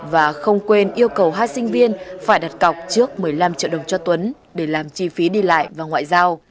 và không quên yêu cầu hai sinh viên phải đặt cọc trước một mươi năm triệu đồng cho tuấn để làm chi phí đi lại và ngoại giao